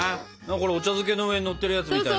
これお茶漬けの上にのってるやつみたいな。